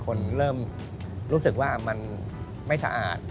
คนเริ่มรู้สึกว่ามันไม่สะอาด